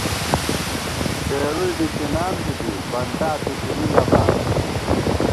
سېرُوئی بِکِنان بی دی ، بنٹا بِکِنی نہ بات